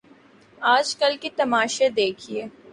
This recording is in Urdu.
آج کل کے تماشے دیکھیے۔